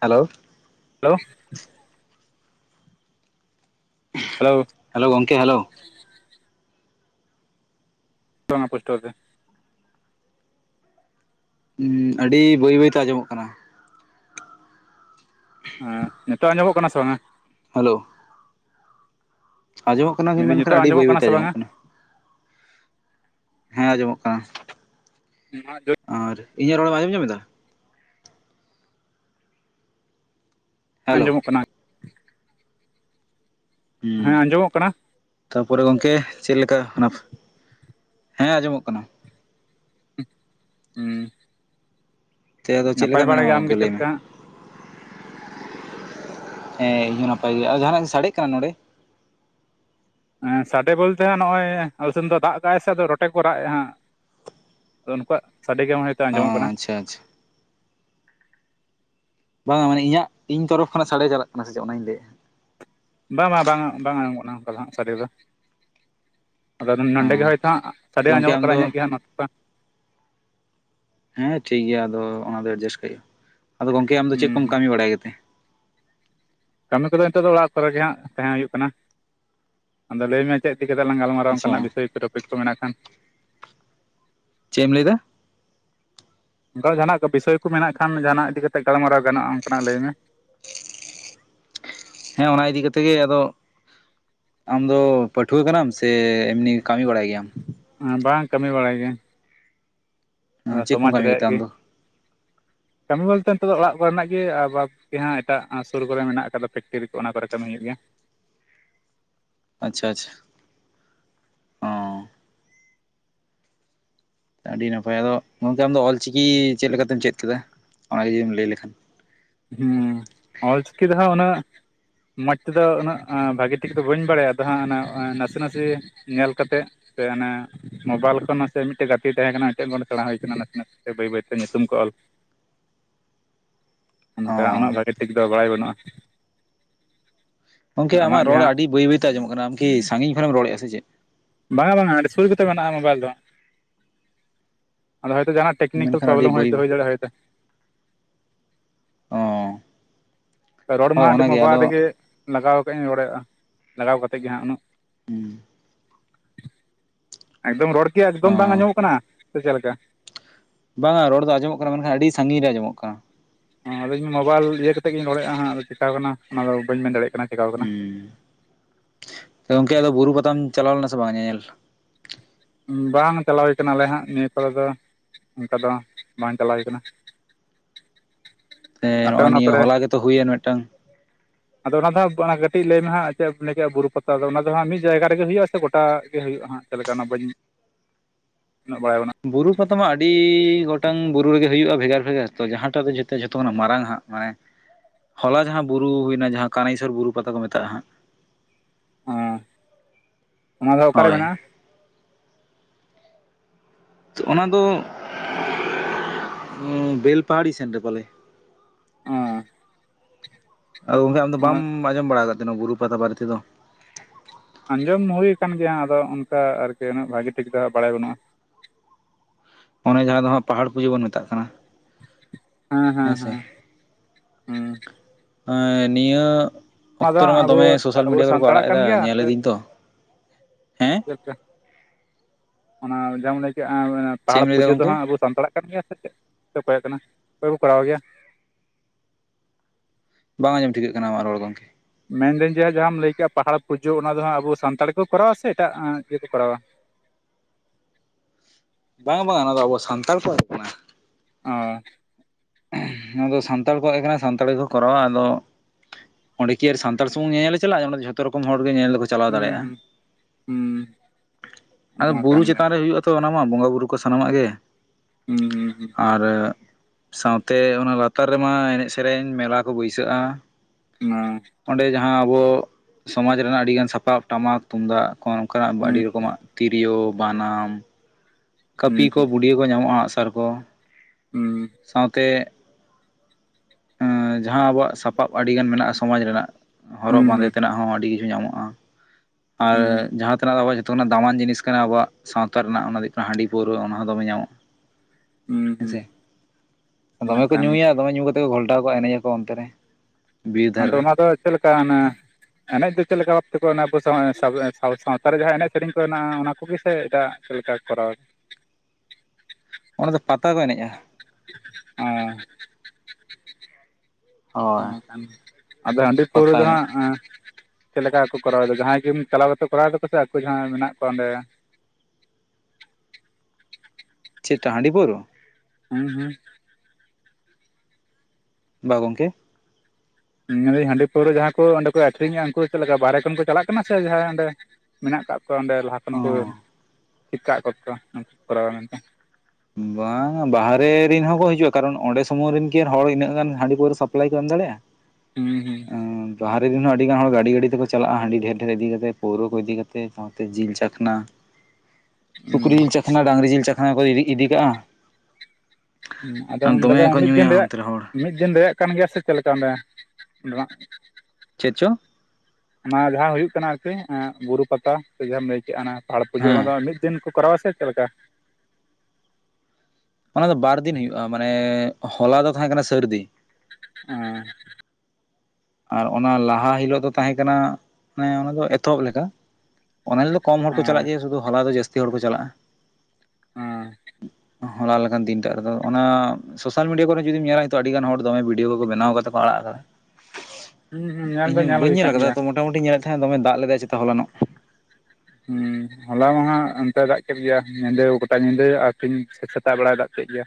Hello. Hello. [unintelligible] Hello hello, ᱜᱚᱝᱠᱮ hello. ᱫᱚᱝᱼᱟ ᱯᱳᱥᱴᱳᱣ ᱛᱮ ᱟᱹᱰᱤ ᱵᱟᱹᱭ ᱵᱟᱹᱭᱛᱮ ᱟᱸᱡᱚᱢᱚᱜ ᱠᱟᱱᱟ᱾ ᱦᱮᱸ ᱱᱤᱛᱚᱜ ᱟᱸᱡᱚᱢᱚᱜ ᱠᱟᱱᱟ ᱥᱮ ᱵᱟᱝᱼᱟ? ᱦᱮᱞᱳ᱾ ᱟᱸᱡᱚᱢᱚᱜ ᱠᱟᱱᱟ ᱢᱮᱱᱫᱟᱹᱧ ᱢᱮᱱᱠᱷᱟᱱ ᱱᱤᱛᱚᱜ ᱟᱹᱰᱤ ᱵᱟᱹᱭ ᱵᱟᱹᱭᱛᱮ ᱥᱮ ᱟᱸᱡᱚᱢᱚᱜ ᱵᱟᱝᱟ ᱠᱟᱱᱟ᱾ ᱦᱮᱸ ᱟᱸᱡᱚᱢᱚᱜ ᱠᱟᱱᱟ᱾ [unintelligible] ᱟᱨ ᱤᱧᱟᱹᱜ ᱨᱚᱲ ᱮᱢ ᱟᱸᱡᱚᱢ ᱧᱟᱢ ᱮᱫᱟ ᱦᱮᱞᱳ ᱟᱸᱡᱚᱢᱚᱜ ᱠᱟᱱᱟ ᱦᱮᱸ ᱟᱸᱡᱚᱢᱚᱜ ᱠᱟᱱᱟ ᱛᱟᱨ ᱯᱚᱨᱮ ᱜᱚᱝᱠᱮ ᱪᱮᱜ ᱞᱮᱠᱟ ᱚᱱᱟᱯ ᱦᱮᱸ ᱟᱸᱡᱚᱢᱚᱜ ᱠᱟᱱᱟ᱾ [unintelligible] ᱛᱮ ᱟᱫᱚ ᱪᱮᱜ ᱱᱟᱯᱟᱭ ᱞᱮᱠᱟ ᱵᱟᱲᱟ ᱜᱮ ᱢᱮᱱᱟᱢᱟ ᱟᱢᱜᱮ ᱜᱚᱝᱠᱮ ᱪᱮᱫ ᱞᱟᱹᱭ ᱢᱮ? ᱞᱮᱠᱟ ᱦᱮᱸ ᱤᱧ ᱦᱚᱸ ᱱᱟᱯᱟᱭ ᱜᱮ ᱟᱨ ᱡᱟᱦᱟᱱᱟᱜ ᱥᱟᱰᱮᱡ ᱠᱟᱱᱟ ᱱᱚᱸᱰᱮ ᱦᱮᱸ ᱥᱟᱰᱮ ᱵᱚᱞᱛᱮ ᱱᱚᱜᱼᱚᱭ ᱟᱞᱮᱥᱮᱱ ᱫᱚ ᱫᱟᱜ ᱫᱟᱭ ᱥᱮ ᱟᱫᱚ ᱨᱚᱴᱮ ᱠᱚ ᱨᱟᱜᱼᱮᱜ ᱦᱟᱸᱜ [unintelligible] ᱥᱟᱰᱮ ᱜᱮ ᱦᱚᱭᱛᱳ ᱚ ᱟᱸᱡᱚᱢᱚᱜ ᱠᱟᱱᱟ ᱟᱪᱪᱷᱟ ᱟᱪᱪᱷᱟ ᱵᱟᱝᱼᱟ ᱢᱟᱱᱮ ᱤᱧᱟᱹᱜ ᱤᱧ ᱛᱚᱨᱚᱯ ᱠᱷᱱᱟᱜ ᱥᱟᱰᱮ ᱪᱟᱞᱟᱜ ᱠᱟᱱᱟ ᱥᱮ ᱪᱮᱜ ᱚᱱᱟᱧ ᱞᱟᱹᱭᱮᱜᱼᱟ᱾ ᱵᱟ-ᱢᱟ ᱵᱟᱝ ᱟᱜ ᱵᱟᱝᱼᱟ ᱚᱱᱟ ᱚᱱᱠᱟ ᱫᱚ ᱦᱟᱜ ᱥᱟᱹᱰᱮ ᱫᱚ, ᱟᱫᱚ ᱱᱚᱸᱰᱮ ᱜᱮ ᱦᱮᱸ ᱦᱳᱭᱛᱳ ᱦᱟᱸᱜ ᱛᱚ ᱥᱟᱰᱮ ᱜᱚᱝᱠᱮ ᱟᱸᱡᱚᱢᱚᱜ ᱟᱢ ᱠᱟᱱᱟ ᱫᱚ ᱤᱧᱟᱹᱜ ᱜᱮ ᱦᱟᱸᱜ ᱫᱚ ᱦᱮᱸ ᱴᱷᱤᱠ ᱜᱮᱭᱟ ᱟᱫᱚ ᱚᱱᱟ ᱫᱚ ᱮᱰᱡᱟᱥᱴ ᱠᱟᱜ ᱦᱩᱭᱩᱜᱼᱟ, ᱟᱫᱚ ᱜᱚᱝᱠᱮ ᱟᱢ ᱫᱚ ᱪᱮᱜ ᱦᱩᱸ ᱠᱚᱢ ᱦᱩᱸ ᱠᱟᱹᱢᱤ ᱵᱟᱲᱟᱭ ᱜᱮ ᱛᱮ? ᱠᱟᱹᱢᱤ ᱠᱚᱫᱚ ᱱᱤᱛᱚᱜ ᱫᱚ ᱚᱲᱟᱜ ᱠᱚᱨᱮ ᱜᱮ ᱦᱟᱸᱜ ᱛᱟᱦᱮᱸ ᱦᱩᱭᱩᱜ ᱠᱟᱱᱟ ᱟᱫᱚ ᱞᱟᱹᱭ ᱢᱮ ᱪᱮᱜ ᱪᱤᱠᱟᱹ ᱛᱮᱞᱟᱝ ᱜᱟᱞᱢᱟᱨᱟᱣ ᱟᱪᱪᱷᱟ ᱚᱱᱠᱟᱱᱟᱜ ᱵᱤᱥᱚᱭ ᱠᱚ ᱴᱚᱯᱤᱠ ᱠᱚ ᱢᱮᱱᱟᱜ ᱠᱷᱟᱱ ᱪᱮᱢ ᱞᱟᱹᱭ ᱫᱟ? ᱚᱱᱠᱟ ᱜᱷᱟᱱᱟᱜ ᱠᱚ ᱵᱤᱥᱚᱭ ᱠᱚ ᱢᱮᱱᱟᱜ ᱠᱷᱟᱱ, ᱡᱟᱦᱟᱱᱟᱜ ᱤᱫᱤ ᱠᱟᱛᱮᱫ ᱜᱟᱞᱢᱟᱨᱟᱣ ᱜᱟᱱᱚᱜᱼᱟ ᱚᱱᱠᱟᱱᱟᱜ ᱞᱟᱹᱭ ᱢᱮ᱾ ᱦᱮᱸ ᱚᱱᱟ ᱤᱫᱤ ᱠᱟᱛᱮ ᱜᱮ ᱟᱫᱚ ᱟᱢ ᱫᱚ ᱯᱟᱹᱴᱷᱣᱟᱹ ᱠᱟᱱᱟᱢ ᱥᱮ ᱮᱢᱱᱤ ᱠᱟᱹᱢᱤ ᱵᱟᱲᱟᱭ ᱜᱮᱭᱟᱢ ᱵᱟᱝ ᱠᱟᱹᱢᱤ ᱵᱟᱲᱟᱭ ᱜᱮ, ᱪᱮᱫ ᱠᱚᱢ ᱥᱚᱢᱟᱡᱽ ᱠᱟᱹᱢᱤ ᱨᱮᱭᱟᱜ ᱠᱟᱛᱮ ᱟᱢ ᱜᱤ ᱫᱚ? ᱠᱟᱹᱢᱤ ᱵᱚᱞᱛᱮ ᱱᱤᱛᱚᱜ ᱫᱚ ᱚᱲᱟᱜ ᱠᱚᱨᱮᱱᱟᱜ ᱜᱮ ᱟᱵᱟᱵ ᱛᱮᱦᱮᱧ ᱮᱴᱟᱜ ᱥᱩᱨ ᱠᱚᱨᱮ ᱢᱮᱱᱟᱜ ᱟᱠᱟᱫᱟ ᱯᱷᱮᱠᱴᱟᱨᱤ ᱠᱚ ᱚᱱᱟ ᱠᱚᱨᱮ ᱠᱟᱹᱢᱤ ᱦᱩᱭᱩᱜ ᱜᱮᱭᱟ ᱟᱪᱪᱷᱟ ᱟᱪᱪᱷᱟ ᱚ ᱟᱹᱰᱤ ᱱᱟᱯᱟᱭ ᱟᱫᱚ ᱜᱚᱝᱠᱮ ᱟᱢᱫᱚ ᱚᱞ ᱪᱤᱠᱤ ᱪᱮᱜ ᱞᱮᱠᱟᱛᱮᱢ ᱪᱮᱫ ᱠᱮᱫᱟ ᱚᱱᱟ ᱜᱮ ᱡᱩᱫᱤᱢ ᱞᱟᱹᱭ ᱞᱮᱠᱷᱟᱱ ᱦᱮᱸ ᱚᱞᱪᱤᱠᱤ ᱫᱚᱦᱟᱸᱜ ᱩᱱᱟᱹᱜ ᱢᱚᱸᱡᱽ ᱛᱮᱫᱚ ᱩᱱᱟᱹᱜ ᱵᱷᱟᱹᱜᱤ ᱴᱷᱤᱠ ᱫᱚ ᱵᱟᱹᱧ ᱵᱟᱲᱟᱭᱟ ᱟᱫᱚ ᱦᱟᱸᱜ ᱚᱱᱟ ᱱᱟᱥᱮ ᱱᱟᱥᱮ ᱧᱮᱞ ᱠᱟᱛᱮᱜ ᱥᱮ ᱚᱱᱮ ᱱᱳᱫᱟ ᱞᱮᱠᱟ ᱱᱟᱥᱮ ᱟᱜ ᱢᱤᱫ ᱴᱮᱡ ᱜᱟᱛᱮ ᱛᱟᱦᱮᱸ ᱠᱟᱱᱟ ᱢᱤᱫ ᱴᱟᱹᱱ ᱜᱟᱱ ᱥᱮᱬᱟ ᱦᱩᱭ ᱟᱠᱟᱱᱟ ᱱᱟᱜ ᱱᱟᱥᱮ ᱱᱟᱥᱮ ᱵᱟᱹᱭ ᱵᱟᱹᱭ ᱛᱮ ᱧᱮᱯᱮᱞ ᱠᱚ ᱟ ᱵᱩ ᱚᱱᱠᱟ ᱩᱱᱟᱹᱜ ᱚ ᱵᱷᱟᱜᱤ ᱴᱷᱤᱠ ᱫᱚ ᱵᱟᱲᱟᱭ ᱵᱟᱹᱱᱩᱜᱼᱟ ᱜᱚᱝᱠᱮ ᱟᱢᱟᱜ ᱜᱮ ᱨᱚᱲ ᱦᱟᱸᱜ ᱟᱹᱰᱤ ᱵᱟᱹᱭ ᱵᱟᱹᱭ ᱛᱮ ᱟᱸᱢᱚᱢᱚᱜ ᱠᱟᱱᱟ ᱟᱢ ᱠᱤ ᱥᱟᱺᱜᱤᱧ ᱠᱷᱚᱱᱮᱢ ᱨᱚᱲ ᱮᱫᱼᱟ ᱥᱮ ᱪᱮᱫ ᱵᱟᱝᱟ ᱵᱟᱝᱟ ᱟᱹᱰᱤ ᱥᱩᱨ ᱜᱮ ᱛᱚ ᱢᱮᱱᱟᱜᱼᱟ ᱢᱳᱵᱟᱭᱤᱞ ᱫᱚ ᱟᱫᱚ ᱦᱚᱭ ᱛᱚ ᱡᱟᱦᱟᱱᱟᱜ ᱴᱮᱠᱱᱤᱠᱮᱞ ᱢᱮᱱᱠᱷᱟᱱ ᱟᱹᱰᱤ ᱯᱨᱚᱵᱮᱞᱮᱢ ᱵᱟᱹᱭ ᱦᱳᱭᱛᱚ ᱦᱩᱭ ᱫᱟᱲᱮᱭᱟᱜ-ᱟ ᱚ ᱨᱚᱲ ᱦᱳᱭ ᱢᱟᱜ ᱟᱹᱰᱤ ᱚᱱᱟᱜᱮ ᱢᱳᱵᱟᱭᱤᱞ ᱟᱫᱚ ᱨᱮᱜᱮ ᱞᱟᱜᱟᱣ ᱠᱟᱜ ᱤᱧ ᱨᱚᱲ ᱮᱜᱼᱟ ᱞᱟᱜᱟᱣ ᱠᱟᱛᱮᱫ ᱜᱮ ᱦᱟᱸᱜ ᱩᱱᱟᱹᱜ ᱦᱩᱸ ᱮᱠᱫᱚᱢ ᱨᱚᱲᱜᱮ ᱚ ᱮᱠᱫᱚᱢ ᱵᱟᱝ ᱟᱸᱡᱚᱢᱚᱜ ᱠᱟᱱᱟ ᱥᱮ ᱪᱮᱫ ᱞᱮᱠᱟ ᱵᱟᱝᱟ ᱨᱚᱲ ᱫᱚ ᱟᱸᱡᱚᱢᱚᱜ ᱠᱟᱱᱟ ᱢᱮᱱ ᱠᱷᱟᱱ ᱟᱹᱰᱤ ᱥᱟᱺᱜᱤᱧ ᱨᱮ ᱟᱸᱚᱢᱚᱜ ᱠᱟᱱᱟ ᱚ ᱟᱫᱚᱧ ᱢᱳᱵᱟᱭᱤᱞ ᱤᱭᱟᱹ ᱠᱟᱛᱮ ᱜᱤᱧ ᱨᱚᱲ ᱮᱫᱼᱟ ᱦᱟᱸ ᱟᱫᱚ ᱪᱮᱠᱟᱣ ᱠᱟᱱᱟ ᱚᱱᱟᱫᱚ ᱵᱟᱹᱧ ᱢᱮᱱ ᱫᱟᱲᱮᱭᱟᱜ ᱠᱟᱱᱟ ᱪᱮᱠᱟᱣ ᱠᱟᱱᱟ ᱦᱩᱸ ᱜᱚᱝᱠᱮ ᱟᱫᱚ ᱵᱩᱨᱩ ᱯᱟᱛᱟᱢ ᱪᱟᱞᱟᱣ ᱞᱮᱱᱟ ᱥᱮ ᱵᱟᱝ ᱧᱮᱧᱮᱞ ᱵᱟᱝ ᱪᱟᱞᱟᱣ ᱦᱩᱭ ᱠᱟᱱᱟ ᱞᱮ ᱦᱟᱸᱜ ᱱᱤᱭᱟᱹ ᱛᱟᱣ ᱫᱚ ᱚᱱᱠᱟ ᱫᱚ ᱵᱟᱝ ᱪᱟᱞᱟᱣ ᱦᱩᱭ ᱠᱟᱱᱟ [unintelligible] ᱦᱮᱸ ᱟᱯᱮ ᱱᱚᱜᱼᱚᱭ ᱚᱱᱟ ᱱᱤᱭᱟᱹ ᱠᱚᱨᱮ ᱦᱚᱞᱟ ᱜᱮ ᱛᱚ ᱦᱩᱭᱮᱱ ᱢᱤᱫ ᱴᱟᱝ ᱟᱫᱚ ᱚᱱᱟ ᱫᱚ ᱦᱟᱸᱜ ᱠᱟᱹᱴᱤᱡ ᱞᱟᱹᱭ ᱢᱮ ᱦᱟᱸᱜ ᱪᱮᱫ ᱮᱢ ᱞᱟᱹᱭ ᱠᱮᱫ ᱟ ᱵᱩᱨᱩ ᱯᱟᱛᱟ ᱫᱚ ᱚᱱᱟ ᱫᱚ ᱦᱟᱸᱜ ᱢᱤᱫ ᱡᱟᱭᱜᱟ ᱨᱮ ᱜᱮ ᱦᱩᱭᱩᱜᱼᱟ ᱥᱮ ᱜᱚᱴᱟᱜ ᱜᱮ ᱦᱩᱭᱩᱜᱼᱟ ᱦᱟᱸᱜ ᱪᱮᱫ ᱞᱮᱠᱟ ᱚᱱᱟ ᱵᱟᱹᱧ ᱩᱱᱟᱹᱜ ᱵᱟᱲᱟᱭ ᱱᱟᱜ ᱵᱩᱨᱩ ᱯᱟᱛᱟ ᱢᱟ ᱟᱹᱰᱤ ᱜᱚᱴᱟᱝ ᱵᱩᱨᱩ ᱨᱮ ᱜᱮ ᱦᱩᱭᱩᱜᱼᱟ ᱵᱷᱮᱜᱟᱨ ᱵᱷᱮᱜᱟᱨ ᱛᱚ ᱡᱟᱦᱟᱸ ᱴᱟᱜ ᱫᱚ ᱡᱚ ᱡᱷᱚᱛ ᱠᱷᱚᱱᱟᱜ ᱢᱟᱨᱟᱝ ᱦᱟᱜ ᱢᱟᱱᱮ ᱦᱚᱞᱟ ᱡᱟᱦᱟᱸ ᱵᱩᱨᱩ ᱦᱩᱭᱱᱟ ᱡᱟᱦᱟᱸ ᱠᱟᱱᱟᱭᱥᱚᱨ ᱵᱩᱨᱩ ᱯᱟᱛᱟ ᱠᱚ ᱢᱮᱛᱟᱜᱼᱟ ᱦᱟᱸᱜ ᱚ ᱚᱱᱟ ᱫᱚ ᱚᱠᱟᱨᱮ ᱦᱳᱭ ᱢᱮᱱᱟᱜᱼᱟ ᱚ ᱚᱱᱟ ᱫᱚ ᱵᱮᱞᱯᱟᱦᱟᱲᱤ ᱥᱮᱱ ᱨᱮ ᱯᱟᱞᱮ ᱦᱚᱸ ᱟᱫᱚ ᱜᱟᱢᱠᱮ ᱟᱫᱚ ᱵᱟᱢ ᱟᱸᱡᱚᱢ ᱵᱟᱲᱟ ᱟᱠᱟᱫ ᱛᱟᱦᱮᱱᱟ ᱵᱩᱨᱩ ᱯᱟᱛᱟ ᱵᱟᱨᱮ ᱛᱮ ᱫᱚ ᱟᱸᱡᱚᱢ ᱦᱩᱭ ᱟᱠᱟᱱ ᱜᱮᱭᱟ ᱟᱫᱚ ᱚᱱᱠᱟ ᱟᱨᱠᱤ ᱩᱱᱟᱹᱜ ᱵᱷᱟᱜᱤ ᱴᱷᱤᱠ ᱫᱚ ᱦᱟᱸᱜ ᱵᱟᱲᱟᱭ ᱵᱟᱹᱱᱩᱜᱼᱟ ᱚᱱᱮ ᱡᱟᱦᱟᱸ ᱫᱚ ᱦᱟᱸᱜ ᱯᱟᱦᱟᱲ ᱯᱩᱡᱟᱹ ᱵᱚᱱ ᱢᱮᱛᱟᱜ ᱠᱟᱱᱟ ᱦᱮᱸ ᱦᱮᱸ ᱦᱮᱸᱥᱮ ᱦᱮᱸ ᱦᱩᱸ ᱦᱮᱸ ᱱᱤᱭᱟᱹ ᱚᱱᱟ ᱫᱚ ᱚᱠᱛᱚ ᱨᱮᱢᱟ ᱟᱵᱚ ᱫᱚᱢᱮ ᱥᱳᱥᱟᱞ ᱟᱵᱚ ᱢᱤᱰᱤᱭᱟ ᱠᱚᱨᱮ ᱠᱚ ᱥᱟᱱᱛᱟᱲᱟᱜ ᱟᱲᱟᱜ ᱠᱟᱱ ᱮᱫᱟ ᱜᱮᱭᱟ ᱥᱮ ᱧᱮᱞ ᱤᱫᱟᱹᱧ ᱛᱚ ᱦᱮᱸ ᱪᱮᱫ ᱞᱮᱠᱟ ᱚᱱᱟ ᱡᱟᱦᱟᱸᱢ ᱞᱟᱹᱭ ᱠᱮᱫᱼᱟ ᱚᱱᱟ ᱪᱮᱫ ᱯᱟᱦᱟᱲ ᱮᱢ ᱞᱟᱹᱭᱫᱟ ᱯᱩᱡᱟᱹ ᱫᱚ ᱜᱚᱝᱠᱮ ᱦᱟᱸᱜ ᱟᱵᱚ ᱥᱟᱱᱛᱟᱲᱟᱜ ᱠᱟᱱᱟ ᱠᱟᱱ ᱜᱮᱭᱟ ᱥᱮ ᱪᱮᱫ ᱪ ᱦᱩᱭᱩᱜ ᱠᱟᱱᱟ ᱦᱳᱭ ᱠᱚᱜ ᱠᱚᱨᱟᱣ ᱜᱮᱭᱟ ᱵᱟᱝ ᱟᱸᱡᱚᱢ ᱴᱷᱤᱠᱟᱹᱜ ᱠᱟᱱᱟ ᱟᱢᱟᱜ ᱨᱚᱲ ᱜᱚᱝᱠᱮ ᱢᱮᱱᱫᱟᱹᱧ ᱡᱮ ᱡᱟᱦᱟᱸᱢ ᱞᱟᱹᱭ ᱠᱮᱫᱼᱟ ᱯᱟᱦᱟᱲ ᱯᱩᱡᱟᱹ ᱚᱱᱟ ᱫᱚ ᱦᱟᱸᱜ ᱟᱵᱚ ᱥᱟᱱᱛᱟᱲ ᱜᱮᱠᱚ ᱠᱚᱨᱟᱣᱟ ᱥᱮ ᱮᱴᱟᱜ ᱤᱭᱟᱹ ᱠᱚ ᱠᱚᱨᱟᱣᱟ ᱵᱟᱝ ᱵᱟᱝᱟ ᱚᱱᱟ ᱫᱚ ᱟᱵᱚ ᱥᱟᱱᱛᱟᱲ ᱠᱚᱣᱟᱜ ᱠᱟᱱᱟ ᱚ ᱱᱚᱣᱟᱫᱚ ᱥᱟᱱᱛᱟᱲ ᱠᱚᱣᱟᱜ ᱜᱮ ᱠᱟᱱᱟ ᱥᱟᱱᱛᱟᱲ ᱜᱮ ᱠᱚ ᱠᱚᱨᱟᱣᱟ ᱟᱫᱚ ᱚᱸᱰᱮ ᱠᱤ ᱟᱨ ᱥᱟᱱᱛᱟᱲ ᱥᱩᱢᱩᱝ ᱧᱮᱧᱮᱞ ᱮ ᱪᱟᱞᱟᱜᱼᱟ ᱚᱱᱟ ᱡᱚᱛᱚ ᱨᱚᱠᱚᱢ ᱦᱚᱲ ᱜᱮ ᱧᱮᱞ ᱫᱚ ᱠᱚ ᱪᱟᱞᱟᱣ ᱦᱩᱸ ᱫᱟᱲᱮᱭᱟᱜᱼᱟ ᱦᱩᱸ ᱦᱩᱸ ᱚᱱᱟ ᱟᱫᱚ ᱢᱟ ᱵᱩᱨᱩ ᱠᱟᱱ ᱜᱮᱭᱟ ᱪᱮᱛᱟᱱ ᱨᱮ ᱦᱩᱭᱩᱜᱼᱟ ᱛᱚ ᱚᱱᱟ ᱢᱟ ᱵᱚᱸᱜᱟ ᱵᱩᱨᱩ ᱠᱚ ᱥᱟᱱᱟᱢᱟᱜ ᱜᱮ ᱦᱩᱸ ᱦᱩᱸ ᱦᱩᱸ ᱟᱨ [inaudible] ᱥᱟᱶᱛᱮ ᱚᱱᱟ ᱞᱟᱛᱟᱨ ᱨᱮ ᱢᱟ ᱮᱱᱮᱡ ᱥᱮᱨᱮᱧ ᱢᱮᱞᱟ ᱠᱚ ᱵᱟᱹᱭᱥᱟᱹᱼᱟ [unintelligible] ᱚᱸᱰᱮ ᱡᱟᱦᱟᱸ ᱟᱵᱚ ᱥᱚᱢᱟᱡᱽ ᱨᱮᱱᱟᱜ ᱟᱹᱰᱤᱜᱟᱱ ᱥᱟᱯᱟᱵ ᱴᱟᱢᱟᱠ ᱛᱩᱢᱫᱟᱜ ᱠᱚ ᱱᱚᱝᱠᱟᱱᱟᱜ ᱦᱩᱸ ᱟᱹᱰᱤ ᱨᱚᱠᱚᱢᱟᱜ ᱛᱤᱨᱭᱳ ᱵᱟᱱᱟᱢ ᱠᱟᱹᱯᱤ ᱦᱩᱸ ᱠᱚ ᱦᱩᱸ ᱵᱩᱰᱭᱟᱹ ᱠᱚ ᱧᱟᱢᱚᱜᱼᱟ ᱟᱸᱜᱼᱥᱟᱨ ᱠᱚ ᱦᱩᱸ ᱥᱟᱶᱛᱮ ᱡᱟᱦᱟᱸ ᱟᱵᱚᱣᱟᱜ ᱥᱟᱯᱟᱵ ᱟᱹᱰᱤ ᱜᱟᱱ ᱢᱮᱱᱟᱜᱼᱟ ᱥᱚᱢᱟᱡ ᱨᱮᱱᱟᱜ ᱦᱚᱨᱚᱜ ᱵᱟᱸᱫᱮ ᱦᱩᱸ ᱛᱮᱱᱟᱜ ᱦᱚᱸ ᱟᱹᱰᱤ ᱠᱤᱪᱷᱩ ᱧᱟᱢᱚᱜᱼᱟ ᱟᱞ ᱦᱩᱸ ᱡᱟᱦᱟᱸᱛᱤᱱᱟᱹ ᱫᱚᱵ ᱛᱚ ᱚᱱᱟ ᱫᱟᱢᱟᱱ ᱡᱤᱱᱤᱥ ᱠᱟᱱᱟ ᱟᱵᱚᱣᱟᱜ ᱥᱟᱶᱛᱟ ᱨᱮᱱᱟᱜ ᱚᱱᱟ ᱫᱚ ᱦᱩᱭᱩᱜ ᱠᱟᱱᱟ ᱦᱟᱺᱰᱤ ᱯᱟᱹᱣᱨᱟᱹ ᱚᱱᱟ ᱦᱚᱸ ᱫᱚᱢᱮ ᱧᱟᱢᱚᱜᱼᱟ ᱦᱩᱸ ᱦᱩᱸ ᱦᱮᱸᱥᱮ ᱚᱱᱟ ᱫᱚᱢᱮ ᱠᱚ ᱠᱟᱱ ᱜᱮᱭᱟ ᱧᱩᱭᱟ ᱫᱚᱢᱮ ᱧᱩ ᱠᱟᱛᱮ ᱠᱚ ᱜᱷᱚᱞᱴᱟᱣ ᱠᱚᱜᱼᱟ ᱮᱱᱮᱡ ᱟᱠᱚ ᱚᱱᱛᱮ ᱨᱮ ᱵᱤᱨ ᱫᱷᱟᱨᱮ ᱟᱫᱚ ᱨᱮ ᱚᱱᱟ ᱫᱚ ᱪᱮᱫ ᱞᱮᱠᱟ ᱚᱱᱮ ᱮᱱᱮᱡ ᱫᱚ ᱪᱮᱫ ᱞᱮᱠᱟ ᱵᱷᱟᱵᱛᱮ ᱠᱚ ᱟᱵᱽ ᱥᱟᱵ ᱥᱟᱶᱛᱟ ᱨᱮ ᱡᱟᱦᱟᱸ ᱮᱱᱮᱡ ᱥᱮᱨᱮᱧ ᱠᱚ ᱦᱮ ᱱᱟᱜ ᱟ ᱚᱱᱟ ᱠᱚᱜ ᱥᱮ ᱮᱴᱟᱜ ᱪᱮᱫ ᱞᱮᱠᱟ ᱠᱚᱨᱟᱣ ᱚᱱᱟ ᱫᱚ ᱯᱟᱛᱟ ᱠᱚ ᱮᱱᱮᱡᱼᱟ ᱚ ᱦᱳᱭ ᱱᱚᱣᱟ ᱠᱟᱱ ᱟᱫᱚ ᱦᱟᱺᱰᱤ ᱯᱟᱹᱣᱨᱟᱹ ᱯᱟᱛᱟ ᱫᱚ ᱮᱱᱮᱡ ᱦᱟᱸᱜ ᱪᱮᱫ ᱞᱮᱠᱟ ᱠᱚ ᱠᱚᱨᱟᱣᱮᱫᱟ ᱡᱟᱦᱟᱸᱭ ᱜᱮᱢ ᱪᱟᱞᱟᱣ ᱠᱟᱛᱮᱫ ᱠᱚᱨᱟᱣ ᱫᱟᱠᱚ ᱥᱮ ᱟᱠᱚ ᱡᱟᱦᱟᱸᱭ ᱢᱮᱱᱟᱜ ᱠᱚᱣᱟ ᱚᱸᱰᱮ ᱪᱮᱫ ᱴᱟᱜ ᱦᱟᱺᱰᱤ ᱯᱟᱹᱨᱣᱟᱹ ᱦᱩᱸ ᱦᱩᱸ ᱵᱟ ᱜᱚᱢᱠᱮ ᱦᱟᱺᱰᱤ ᱯᱟᱹᱨᱣᱟᱹ ᱡᱟᱦᱟᱸ ᱠᱚ ᱚᱸᱰᱮ ᱠᱚ ᱟᱠᱷᱨᱤᱧᱟ ᱩᱱᱠᱩ ᱪᱮᱫ ᱞᱮᱠᱟ ᱵᱟᱦᱨᱮ ᱠᱷᱚᱱ ᱠᱚ ᱪᱟᱞᱟᱜ ᱠᱟᱱᱟ ᱥᱮ ᱡᱟᱦᱟᱸᱭ ᱚᱸᱰᱮ ᱢᱮᱱᱟᱜ ᱟᱠᱟᱫ ᱠᱚᱣᱟ ᱚᱸᱰᱮ ᱞᱟᱦᱟ ᱠᱷᱚᱱ ᱚ ᱠᱚ ᱴᱷᱤᱠ ᱟᱠᱟᱫ ᱠᱚ ᱠᱚᱣᱟ ᱩᱱᱠᱩ ᱠᱚ ᱠᱚᱨᱟᱣᱟ ᱢᱮᱱᱛᱮ ᱵᱟᱝ ᱵᱟᱦᱨᱮ ᱨᱮᱱ ᱦᱚᱸᱠᱚ ᱦᱤᱡᱩᱜᱼᱟ ᱠᱟᱨᱚᱱ ᱚᱸᱰᱮ ᱥᱩᱢᱩᱝ ᱨᱮᱱ ᱠᱤ ᱦᱚᱲ ᱤᱱᱟᱹᱜ ᱜᱟᱱ ᱦᱟᱺᱰᱤ ᱯᱟᱹᱣᱨᱟᱹ ᱥᱟᱯᱞᱟᱭ ᱠᱚ ᱮᱢ ᱫᱟᱲᱮᱭᱟᱜᱼᱟ ᱦᱩᱸ ᱦᱩᱸ ᱦᱩᱸ ᱵᱟᱦᱨᱮ ᱨᱮᱱ ᱦᱚᱸ ᱟᱹᱰᱤ ᱜᱟᱱ ᱦᱚᱲ ᱜᱟᱹᱰᱤ ᱜᱟᱹᱰᱤ ᱛᱮᱠᱚ ᱪᱟᱞᱟᱜᱼᱟ᱾ ᱦᱟᱺᱰᱤ ᱰᱷᱮᱨ ᱰᱷᱮᱨ ᱤᱫᱤ ᱠᱟᱛᱮ ᱯᱟᱹᱣᱨᱟᱹ ᱠᱚ ᱤᱫᱤ ᱠᱟᱛᱮ ᱥᱟᱶᱛᱮ ᱡᱤᱞ ᱪᱟᱠᱷᱱᱟ᱾ [inaudible] ᱥᱩᱠᱨᱤ ᱡᱤᱞ ᱪᱟᱠᱷᱱᱟ ᱰᱟᱝᱨᱤ ᱡᱤᱞ ᱪᱟᱠᱷᱟᱱᱟ ᱠᱚ ᱤᱫᱤ ᱤᱫᱤ ᱠᱟᱜᱼᱟ᱾ ᱟᱫᱚ ᱚᱸᱰᱮ ᱫᱚ ᱫᱚᱢᱮ ᱠᱚ ᱢᱤᱫ ᱫᱤᱱ ᱧᱩᱭᱟ ᱨᱮᱭᱟᱜ᱾ ᱚᱱᱛᱮ ᱨᱮ ᱦᱚᱲ ᱢᱤᱫ ᱫᱤᱱ ᱨᱮᱭᱟᱜ᱾ ᱚᱱᱠᱟᱱ ᱜᱮᱭᱟ ᱥᱮ ᱪᱮᱫ ᱞᱮᱠᱟ ᱚᱸᱰᱮ᱾ [unintelligible] ᱪᱮᱫ ᱪᱚ? ᱚᱱᱟ ᱡᱟᱦᱟᱸ ᱦᱩᱭᱩᱜ ᱠᱟᱱᱟ ᱥᱮ ᱮᱸᱜ ᱵᱩᱨᱩ ᱯᱟᱛᱟ ᱥᱮ ᱡᱟᱦᱟᱢ ᱞᱟᱹᱭ ᱠᱮᱜ-ᱟ᱾ ᱚᱱᱟ ᱟᱲ ᱯᱩᱡᱟᱹ ᱚᱱᱟ ᱫᱚ ᱦᱮᱸ ᱢᱤᱫ ᱫᱤᱱ ᱠᱚ ᱠᱚᱨᱟᱣᱟ ᱥᱮ ᱪᱮᱫ ᱞᱮᱠᱟ? ᱚᱱᱟ ᱫᱚ ᱵᱟᱨ ᱫᱤᱱ ᱦᱩᱭᱩᱜᱼᱟ ᱢᱟᱱᱮ ᱦᱚᱞᱟ ᱫᱚ ᱛᱟᱦᱮᱸ ᱠᱟᱱᱟ ᱥᱟᱹᱨᱫᱤ ᱮᱸ ᱟᱨ ᱚᱱᱟ ᱞᱟᱦᱟ ᱦᱤᱞᱳᱜ ᱫᱚ ᱛᱟᱦᱮᱸ ᱠᱟᱱᱟ ᱚᱱᱮ ᱮᱛᱚᱦᱚᱵ ᱞᱮᱠᱟ ᱚᱱᱟ ᱦᱤᱞᱚᱜ ᱫᱚ ᱠᱚᱢ ᱦᱚᱲ ᱠᱚ ᱦᱮᱸ ᱪᱟᱞᱟᱜ ᱜᱮᱭᱟ ᱥᱩᱫᱷᱩ ᱦᱚᱞᱟ ᱫᱚ ᱡᱟᱹᱥᱛᱤ ᱦᱚᱲ ᱠᱚ ᱪᱟᱞᱟᱜᱼᱟ ᱦᱮᱸ ᱦᱚᱞᱟ ᱞᱮᱠᱟᱱ ᱫᱤᱱᱴᱟᱜ ᱨᱮᱫᱚ ᱚᱱᱟ ᱥᱳᱥᱟᱞ ᱢᱤᱰᱤᱭᱟ ᱠᱚᱨᱮ ᱡᱩᱫᱤᱢ ᱞᱮᱞᱟ ᱱᱤᱛᱚᱜ ᱟᱹᱰᱤ ᱜᱟᱱ ᱦᱚᱲ ᱫᱚᱢᱮ ᱵᱷᱤᱰᱤᱭᱳ ᱠᱚ ᱠᱚ ᱵᱮᱱᱟᱣ ᱠᱟᱛᱮ ᱠᱚ ᱟᱲᱟᱜ ᱟᱠᱟᱫᱟ ᱦᱩᱸ ᱦᱩᱸ ᱧᱮᱞ ᱤᱧ ᱫᱚ ᱦᱚᱸ ᱵᱟᱹᱧ ᱦᱩᱭ ᱧᱮᱞ ᱟᱠᱟᱱ ᱜᱮᱭᱟ ᱟᱠᱟᱫᱟ ᱛᱚ ᱢᱚᱴᱟᱢᱩᱴᱤᱧ ᱧᱮᱞᱮᱫ ᱛᱟᱦᱮᱸᱫ ᱫᱚᱢᱮ ᱫᱟᱜ ᱞᱮᱫᱟᱭ ᱪᱮᱛᱟ ᱦᱚᱞᱟᱱᱚᱜ [unintelligible] ᱦᱩᱸ ᱦᱚᱞᱟ ᱢᱟ ᱦᱟᱸᱜ ᱚᱱᱛᱮ ᱫᱟᱜ ᱠᱮᱫ ᱜᱮᱭᱟ᱾ ᱧᱤᱫᱟᱹ ᱜᱚᱴᱟ ᱧᱤᱫᱟᱹ ᱟᱨ ᱛᱤᱦᱤᱧ ᱥᱮᱛᱟᱜ ᱵᱮᱲᱟᱭ ᱫᱟᱜ ᱠᱮᱫ ᱜᱮᱭᱟ᱾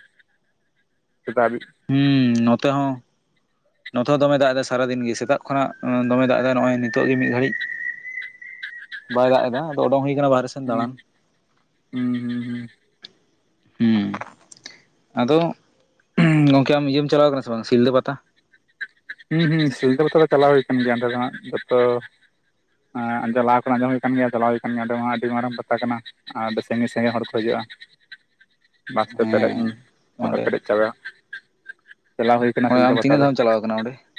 ᱥᱮᱛᱟᱜ ᱦᱟᱹᱵᱤᱡ ᱦᱩᱸᱻ ᱱᱚᱛᱮ ᱦᱚᱸ᱾ ᱱᱚᱛᱮ ᱦᱚᱸ ᱫᱚᱢᱮ ᱫᱟᱜ ᱮᱫᱟᱭ ᱥᱟᱨᱟᱫᱤᱱ ᱜᱤ᱾ ᱥᱮᱛᱟᱜ ᱠᱷᱚᱱᱟᱜ ᱫᱚᱢᱮ ᱫᱟᱜ ᱮᱫᱟᱭ ᱱᱚᱜᱼᱚᱭ ᱱᱤᱛᱚᱜ ᱜᱮ ᱢᱤᱫ ᱜᱷᱟᱹᱲᱤᱡ᱾ ᱵᱟᱭ ᱫᱟᱜ ᱮᱫᱟ ᱟᱫᱚ ᱚᱰᱚᱝ ᱦᱩᱭ ᱟᱠᱟᱱᱟ ᱵᱟᱦᱨᱮ ᱥᱮᱱ ᱦᱩᱸ ᱫᱟᱬᱟᱱ᱾ ᱦᱩᱸ ᱦᱩᱸ ᱦᱩᱸ᱾ ᱟᱫᱚ᱾ ᱩᱸᱦᱩᱸ ᱜᱚᱝᱠᱮ ᱟᱢ ᱤᱭᱟᱹᱢ ᱪᱟᱞᱟᱣ ᱟᱠᱟᱱᱟ ᱥᱮ ᱵᱟᱝ ᱥᱤᱞᱫᱟᱹ ᱯᱟᱛᱟ? ᱦᱩᱸ ᱦᱩᱸ ᱥᱤᱞᱤᱫᱟᱹ ᱯᱟᱛᱟ ᱫᱚ ᱪᱟᱞᱟᱣ ᱦᱩᱭ ᱟᱠᱟᱱ ᱜᱮᱭᱟ᱾ ᱚᱸᱰᱮ ᱫᱚ ᱦᱟᱸᱜ ᱡᱚᱛᱚ ᱟᱸᱻ ᱪᱟᱞᱟᱣ ᱠᱚ ᱟᱸᱡᱚᱢ ᱦᱩᱭ ᱠᱟᱱ ᱜᱮᱭᱟ᱾ ᱪᱟᱞᱟᱣ ᱦᱩᱭ ᱟᱠᱟᱱ ᱜᱮᱭᱟ᱾ ᱚᱸᱰᱮ ᱢᱟ ᱟᱹᱰᱤ ᱢᱟᱨᱟᱝ ᱯᱟᱛᱟ ᱠᱟᱱᱟ᱾ ᱟᱫᱚ ᱥᱟᱺᱜᱤᱧ ᱥᱟᱺᱜᱤᱧ ᱦᱚᱲ ᱠᱚ ᱦᱤᱡᱩᱜᱼᱟ᱾ ᱵᱟᱥ ᱛᱮ ᱯᱮᱨᱮᱡ ᱤᱧ, ᱦᱮᱸ ᱜᱚᱴᱟ ᱚᱸᱰᱮ ᱯᱮᱨᱮᱡ ᱪᱟᱵᱟ, ᱪᱟᱞᱟᱣ ᱦᱩᱭ ᱟᱠᱟᱱᱟ ᱚᱸᱰᱮ ᱥᱤᱞᱫᱟᱹ ᱟᱢ ᱯᱟᱛᱟ ᱫᱚ᱾ [unintelligible]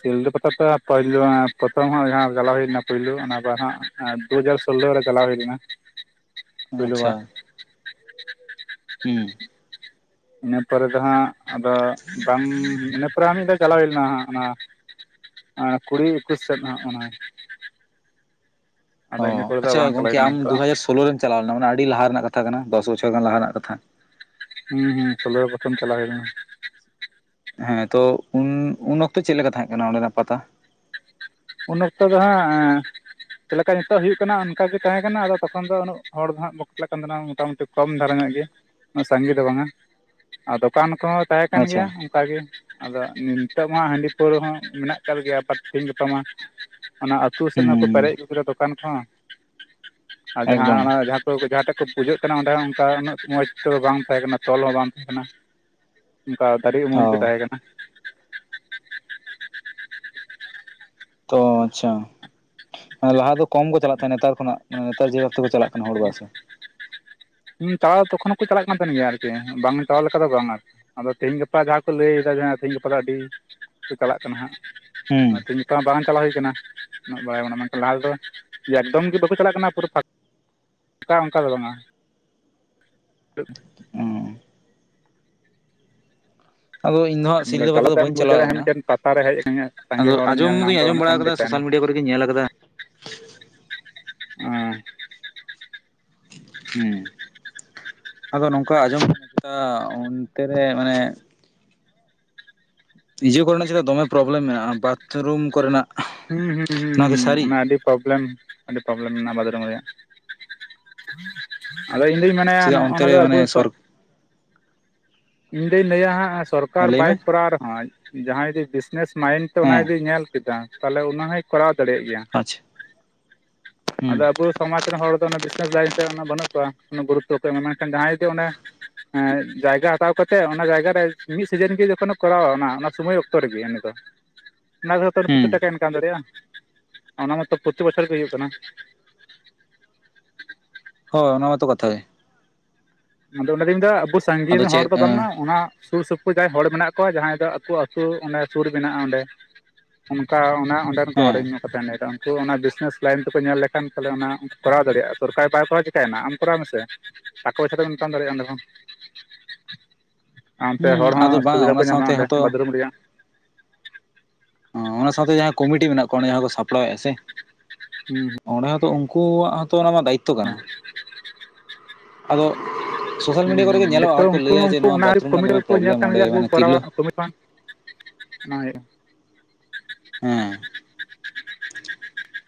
ᱥᱤᱞᱫᱟᱹ ᱯᱟᱛᱟ ᱛᱮ ᱯᱳᱭᱞᱳ ᱯᱨᱚᱛᱷᱚᱢ ᱦᱚᱸ ᱡᱟᱦᱟᱸ ᱪᱟᱞᱟᱣ ᱦᱩᱭᱱᱟ ᱯᱳᱭᱞᱳ ᱚᱱᱟ ᱫᱚ ᱦᱟᱸᱜ ᱫᱩ ᱦᱟᱡᱟᱨ ᱥᱳᱞᱞᱳ ᱨᱮ ᱪᱟᱞᱟᱣ ᱦᱩᱭ ᱞᱮᱱᱟ᱾ ᱯᱳᱭᱞᱳ ᱵᱟᱨ ᱟᱪᱪᱷᱟ ᱦᱩᱸ᱾ ᱤᱱᱟᱹ ᱯᱚᱨᱮ ᱫᱚ ᱦᱟᱸᱜ᱾ ᱟᱫᱚ ᱵᱟᱝ, ᱤᱱᱟᱹ ᱯᱚᱨᱮ ᱟᱨ ᱢᱤᱫᱫᱷᱟᱹ ᱪᱟᱞᱟᱣ ᱦᱩᱭ ᱞᱮᱱᱟ ᱦᱟᱸᱜ᱾ ᱚᱱᱟ ᱠᱩᱲᱤ ᱮᱠᱩᱥ ᱥᱮᱫ ᱦᱟᱸᱜ᱾ ᱚᱱᱟ ᱟᱫᱚ ᱚᱸᱻ ᱤᱱᱟᱹ ᱯᱚᱨᱮ ᱫᱚ ᱟᱪᱪᱷᱟ ᱵᱟᱝ ᱪᱟᱞᱟᱣ ᱜᱚᱝᱠᱮ ᱦᱩᱭ ᱠᱟᱱᱟ ᱟᱢ ᱫᱩ ᱱᱤᱛᱚᱜ ᱦᱟᱡᱟᱨ ᱥᱳᱞᱳ ᱨᱮᱢ ᱪᱟᱞᱟᱣ ᱞᱮᱱᱟ᱾ ᱚᱱᱟ ᱟᱹᱰᱤ ᱞᱟᱦᱟ ᱨᱮᱱᱟᱜ ᱠᱟᱛᱷᱟ ᱠᱟᱱᱟ᱾ ᱫᱚᱥ ᱵᱚᱪᱷᱚᱨ ᱜᱟᱱ ᱞᱟᱦᱟ ᱨᱮᱱᱟᱜ ᱠᱟᱛᱷᱟ᱾ ᱦᱩᱸ ᱦᱩᱸ ᱥᱳᱞᱳ ᱨᱮ ᱯᱨᱚᱛᱷᱚᱢ ᱪᱟᱞᱟᱣ ᱦᱩᱭ ᱞᱮᱱᱟ᱾ ᱦᱮᱸ ᱛᱚ ᱩᱱ ᱩᱱ ᱚᱠᱛᱚ ᱪᱮᱫ ᱞᱮᱠᱟ ᱛᱟᱦᱮᱸ ᱠᱟᱱᱟ ᱚᱸᱰᱮᱱᱟᱜ ᱯᱟᱛᱟ? ᱩᱱ ᱚᱠᱛᱚ ᱫᱚ ᱦᱟᱸᱜ ᱪᱮᱫ ᱞᱮᱠᱟ ᱱᱤᱛᱚᱜ ᱦᱩᱭᱩᱜ ᱠᱟᱱᱟ ᱚᱱᱠᱟ ᱜᱮ ᱛᱟᱦᱮᱸ ᱠᱟᱱᱟ᱾ ᱟᱫᱚ ᱛᱚᱠᱷᱚᱱ ᱫᱚ ᱩᱱᱟᱹᱜ ᱦᱚᱲ ᱫᱚ ᱦᱟᱸᱜ ᱵᱟᱠᱚ [unintelligible] ᱢᱚᱴᱟᱢᱩᱴᱤ ᱠᱚᱢ ᱫᱷᱟᱨᱟ ᱧᱚᱜ ᱜᱮ, ᱩᱱᱟᱹᱜ ᱥᱟᱸᱜᱮ ᱫᱚ ᱵᱟᱝᱟ ᱟᱨ ᱫᱚᱠᱟᱱ ᱠᱚᱦᱚᱸ ᱛᱟᱦᱮᱸ ᱠᱟᱱ ᱜᱮᱭᱟ ᱟᱪᱪᱷᱟ ᱚᱱᱠᱟ ᱜᱮ᱾ ᱟᱫᱚ ᱱᱤᱛᱚᱜ ᱢᱟ ᱦᱟᱺᱰᱤ ᱯᱟᱹᱣᱨᱟᱹ ᱦᱚᱸ ᱢᱮᱱᱟᱜ ᱠᱟᱫ ᱜᱮᱭᱟ᱾ [unintelligible] [unintelligible] ᱚᱱᱟ ᱟᱹᱛᱩ ᱥᱮᱫ ᱦᱚᱸᱠᱚ ᱦᱩᱸ ᱯᱮᱨᱮᱡ [unintelligible] ᱫᱚᱠᱟᱱ ᱠᱚᱦᱚᱸ [unintelligible] [unintelligible] ᱮᱠᱫᱚᱢ ᱡᱟᱦᱟᱸᱴᱟᱜ ᱠᱚ ᱵᱩᱡᱷᱟᱹᱜ ᱠᱟᱱᱟ ᱚᱸᱰᱮ ᱚᱱᱠᱟ ᱩᱱᱟᱹᱜ ᱥᱚᱢᱚᱸᱡᱽ ᱫᱚ ᱵᱟᱝ ᱛᱟᱦᱮᱸ ᱠᱟᱱᱟ᱾ ᱛᱚᱞ ᱦᱚᱸ ᱵᱟᱝ ᱛᱟᱦᱮᱸ ᱠᱟᱱᱟ᱾ ᱚᱱᱠᱟ ᱫᱟᱨᱮ ᱩᱢᱩᱞ ᱜᱮ ᱦᱚ ᱛᱟᱦᱮᱸ ᱠᱟᱱᱟ᱾ ᱛᱚ ᱟᱪᱪᱷᱟ᱾ ᱞᱟᱦᱟ ᱫᱚ ᱠᱚᱢ ᱠᱚ ᱪᱟᱞᱟᱜ ᱛᱟᱦᱮᱱ ᱱᱮᱛᱟᱨ ᱠᱷᱚᱱᱟᱜ᱾ ᱢᱟᱱᱮ ᱱᱮᱛᱟᱨ ᱡᱮ ᱵᱷᱟᱵᱽ ᱛᱮᱠᱚ ᱪᱟᱞᱟᱜ ᱠᱟᱱᱟ ᱦᱚᱲ ᱵᱚᱨᱥᱟ᱾ [unintelligible] ᱛᱚᱠᱷᱚᱱ ᱦᱚᱸ ᱠᱚ ᱪᱟᱞᱟᱜ ᱠᱟᱱ ᱛᱟᱦᱮᱱ ᱜᱮᱭᱟ ᱟᱨᱠᱤ᱾ ᱵᱟᱝ ᱢᱮᱴᱟᱣ ᱞᱮᱠᱷᱟᱱ ᱫᱚ ᱵᱟᱝ ᱟ᱾ ᱟᱫᱚ ᱛᱮᱦᱤᱧ ᱜᱟᱯᱟ ᱡᱟᱦᱟᱸ ᱠᱚ ᱞᱟᱹᱭ ᱮᱫᱟ ᱡᱟᱦᱟᱸ ᱛᱮᱦᱤᱧ ᱜᱟᱯᱟ ᱫᱚ ᱟᱹᱰᱤ ᱠᱚ ᱪᱟᱞᱟᱜ ᱠᱟᱱᱟ ᱦᱟᱸᱜ᱾ ᱦᱩᱸ ᱛᱮᱦᱮᱧ ᱵᱟᱝ, ᱵᱟᱝ ᱪᱟᱞᱟᱣ ᱦᱩᱭ ᱟᱠᱟᱱᱟ᱾ ᱩᱱᱟᱹᱜ ᱵᱟᱭ [unintelligible] ᱞᱟᱦᱟ ᱫᱚ, ᱮᱠᱫᱚᱢ ᱜᱮ ᱵᱟᱠᱚ ᱪᱟᱞᱟᱜ ᱠᱟᱱᱟ᱾ ᱯᱩᱨᱟᱹ ᱯᱷᱟᱸᱠ ᱚᱱᱠᱟ ᱚᱱᱠᱟ ᱫᱚ ᱵᱟᱝᱼᱟ᱾ [inaudible] ᱟᱫᱚ ᱤᱧ ᱫᱚ ᱦᱟᱜ ᱵᱚᱞᱮ ᱥᱤᱞᱫᱟᱹ ᱯᱟᱛᱟ ᱫᱚ ᱛᱮᱢ ᱵᱟᱹᱧ ᱵᱩᱡᱽ ᱪᱟᱞᱟᱣ ᱫᱟᱲᱮᱭᱟᱜᱼᱟ ᱦᱟᱸᱜ ᱠᱟᱱᱟ ᱢᱤᱫᱴᱮᱱ ᱯᱟᱛᱟ ᱨᱮ ᱦᱮᱡ ᱟᱠᱟᱱᱟ ᱥᱟᱸᱜᱮ ᱟᱫᱚ ᱦᱚᱲᱮᱢ ᱟᱸᱡᱚᱢ ᱧᱮᱞ ᱫᱩᱧ ᱟᱸᱡᱚᱢ ᱵᱟᱲᱟ ᱟᱠᱟᱫᱟ ᱥᱳᱥᱟᱞ ᱢᱤᱰᱤᱭᱟ ᱠᱚᱨᱮᱜᱮᱧ ᱧᱮᱞ ᱟᱠᱟᱫᱟ ᱚᱸ ᱦᱮᱸ ᱟᱫᱚ ᱱᱚᱝᱠᱟ ᱟᱸᱡᱚᱢ [unintelligible] ᱚᱱᱛᱮ ᱨᱮ ᱢᱟᱱᱮ ᱤᱭᱟᱹ ᱠᱚᱨᱮᱱᱟᱜ ᱪᱮᱫᱟᱜ ᱫᱚᱢᱮ ᱯᱨᱚᱵᱞᱮᱢ ᱢᱮᱱᱟᱜᱼᱟ ᱵᱟᱛᱷᱨᱩᱢ ᱠᱚᱨᱮᱱᱟᱜ ᱦᱩᱸ ᱦᱩᱸ ᱦᱩᱸ ᱱᱚᱣᱟ ᱠᱤ ᱦᱩᱸ ᱥᱟᱹᱨᱤ ᱚᱱᱟ ᱟᱹᱰᱤ ᱯᱨᱚᱵᱞᱮᱢ ᱟᱹᱰᱤ ᱯᱚᱨᱵᱞᱮᱢ ᱵᱟᱛᱨᱩᱢ ᱨᱮᱭᱟᱜ ᱟᱫᱚ ᱤᱧᱫᱩᱧ ᱢᱮᱱᱟᱭᱟ᱾ ᱪᱮᱫᱟᱜ ᱱᱚᱜ-ᱚ ᱚᱱᱛᱮ ᱨᱮ ᱱᱚᱰᱮᱱᱟᱜ ᱢᱟᱱᱮ ᱥᱚᱨ ᱵᱩᱥᱚᱜ᱾ ᱤᱧᱫᱩᱧ ᱞᱟᱹᱭᱟ ᱦᱟᱸᱜ ᱥᱚᱨᱠᱟᱨ ᱞᱟᱹᱭ ᱵᱟᱭ ᱢᱮ ᱠᱚᱨᱟᱣ ᱨᱮᱦᱚᱸ ᱡᱟᱦᱟᱸᱭ ᱡᱮ ᱵᱤᱡᱽᱱᱮᱥ ᱢᱟᱭᱤᱱᱰ ᱛᱮ ᱚᱱᱟ ᱦᱮᱸ ᱡᱩᱫᱤᱭ ᱧᱮᱞ ᱠᱮᱫᱟ ᱛᱟᱦᱞᱮ ᱚᱱᱟ ᱦᱚᱭ ᱠᱚᱨᱟᱣ ᱫᱟᱲᱮᱭᱟᱜ ᱜᱮᱭᱟ᱾ ᱟᱪᱪᱷᱟ ᱦᱩᱸ ᱟᱫᱚ ᱟᱵᱚ ᱥᱚᱢᱟᱡᱽ ᱨᱮᱱ ᱦᱚᱲ ᱫᱚ ᱚᱱᱟ ᱵᱤᱡᱱᱮᱥ ᱞᱟᱭᱤᱱᱥ ᱨᱮ ᱵᱟᱹᱱᱩᱜ ᱠᱚᱣᱟ᱾ ᱱᱩᱠᱩ ᱜᱩᱨᱩᱛᱚ ᱠᱚ ᱮᱢᱟ, ᱢᱮᱱᱠᱷᱟᱱ ᱡᱟᱦᱟᱸᱭ ᱡᱮ ᱚᱱᱮ ᱮᱸ ᱡᱟᱭᱜᱟ ᱦᱟᱛᱟᱣ ᱠᱟᱛᱮᱜ, ᱚᱱᱟ ᱡᱟᱭᱜᱟ ᱨᱮ ᱢᱤᱢᱤᱫ ᱥᱤᱡᱮᱱ ᱨᱮᱜᱮ ᱡᱚᱠᱷᱚᱱ ᱮ ᱠᱚᱨᱟᱣᱟ, ᱚᱱᱟ ᱚᱱᱟ ᱥᱚᱢᱚᱭ ᱚᱠᱛᱚ ᱨᱮᱜᱮ ᱩᱱᱤ ᱫᱚ᱾ ᱚᱱᱟ ᱫᱚᱛᱚ ᱫᱚ ᱦᱩᱸ ᱠᱤᱪᱷᱩ ᱴᱟᱠᱟᱭ ᱮᱢ ᱟᱠᱟᱫᱟ᱾ ᱱᱚᱰᱮᱱᱟᱜ, ᱚᱱᱟ ᱢᱟ ᱛᱚ ᱯᱨᱚᱛᱤ ᱵᱚᱪᱷᱚᱨ ᱜᱮ ᱦᱩᱭᱩᱜ ᱠᱟᱱᱟ᱾ ᱦᱳ ᱚᱱᱟ ᱢᱚᱛᱚ ᱠᱟᱛᱷᱟ ᱜᱮ ᱟᱫᱚ ᱚᱱᱟ ᱫᱚᱧ ᱢᱮᱱᱫᱟ ᱟᱵᱚ ᱥᱟᱸᱜᱤᱧ ᱟᱫᱚ ᱨᱮᱱ ᱦᱚᱲ ᱪᱮᱫ ᱫᱚ ᱵᱟᱝᱟ ᱚᱱᱟ ᱥᱩᱨ ᱥᱩᱯᱩᱨ ᱡᱟᱦᱟᱸᱭ ᱦᱚᱲ ᱢᱮᱱᱟᱜ ᱠᱚᱣᱟ ᱡᱟᱦᱟᱸᱭ ᱫᱚ ᱟᱠᱚ ᱟᱹᱛᱩ ᱚ ᱸᱰᱮ ᱥᱩᱨ ᱢᱮᱱᱟᱜᱼᱟ ᱚᱸᱰᱮ ᱚᱱᱠᱟ ᱚᱱᱟ ᱚᱸᱰᱮᱱ ᱠᱚ ᱦᱚᱲ ᱦᱮᱸ ᱧᱚᱜ ᱩᱱᱠᱩ ᱚᱱᱟ ᱵᱤᱡᱽᱱᱮᱥ ᱞᱟᱭᱤᱱ ᱛᱮᱠᱚ ᱧᱮᱞ ᱞᱮᱠᱷᱟᱱ ᱛᱚᱞᱮ ᱚᱱᱟ ᱠᱚᱨᱟᱣ ᱫᱟᱲᱮᱭᱟᱜᱼᱟ ᱥᱚᱨᱠᱟᱨ ᱵᱟᱭᱨᱟᱣᱟᱲᱭᱟᱜᱼᱟ ᱪᱮᱠᱟᱭᱮᱱᱟ ᱟᱢ ᱠᱚᱨᱟᱣ ᱢᱮᱥᱮ ᱟᱠᱚ ᱯᱚᱭᱪᱷᱟ ᱛᱮᱢ ᱦᱟᱛᱟᱢ ᱫᱟᱲᱮᱭᱟᱜᱼᱟ ᱚᱸᱰᱮ ᱦᱚᱸ ᱚᱱᱛᱮ ᱦᱩᱸ ᱦᱚᱲ ᱦᱚᱸ ᱟᱫᱚ ᱵᱟᱝ ᱥᱩᱵᱤᱫᱷᱟ ᱠᱚ ᱚᱱᱟ ᱧᱟᱢᱟ ᱥᱟᱶᱛᱮ ᱚᱸᱰᱮ ᱦᱚᱸᱛᱚ ᱵᱟᱷᱨᱩᱢ ᱨᱮᱭᱟᱜ ᱚ ᱚᱱᱟ ᱥᱟᱶᱛᱮ ᱡᱟᱦᱟᱸᱭ ᱠᱚᱢᱤᱴᱤ ᱢᱮᱱᱟᱜ ᱠᱚᱣᱟ ᱚᱸᱰᱮ ᱡᱟᱦᱟᱸ ᱠᱚ ᱥᱟᱯᱲᱟᱣᱮᱫᱼᱟ ᱥᱮ ᱦᱩᱸ ᱦᱩᱸ ᱚᱸᱰᱮ ᱦᱚᱸᱛᱚ ᱩᱱᱠᱩᱣᱟᱜ ᱦᱚᱸᱛᱚ ᱚᱱᱟᱢᱟ ᱫᱟᱭᱤᱛᱚ ᱠᱟᱱᱟ ᱟᱫᱚ ᱥᱳᱥᱟᱞ ᱦᱮᱸ ᱢᱤᱰᱤᱭᱟ ᱠᱚᱨᱮ ᱜᱮ ᱧᱮᱞᱚᱜᱼᱟ ᱦᱚᱲ ᱱᱤᱛᱚᱜ ᱠᱚ ᱩᱱᱠᱩ ᱦᱚᱸ ᱞᱟᱹᱭᱟ ᱡᱮ ᱩᱱᱠᱩ ᱱᱚᱣᱟ ᱚᱱᱟ ᱵᱟᱛᱷᱨᱩᱢ ᱨᱮᱱᱟᱜ ᱫᱚᱢᱮ ᱠᱚᱢᱤᱴᱠᱚ ᱧᱮᱞ ᱯᱨᱚᱵᱞᱮᱢ ᱠᱟᱱ ᱚᱸᱰᱮ ᱜᱮᱭᱟ ᱢᱟᱱᱮ ᱛᱤᱨᱞᱟᱹ ᱠᱚᱨᱟᱣᱟᱢᱤ ᱱᱚᱭ ᱦᱮᱸ